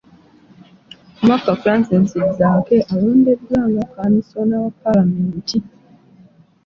Omubaka Francis Zaake alondeddwa nga Kamisona wa Paalamenti